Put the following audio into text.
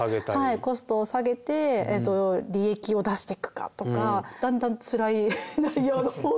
コストを下げて利益を出してくかとかだんだんつらい内容のほうが。